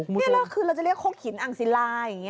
นี่เราคือเราจะเรียกโคกหินอังสิราอย่างนี้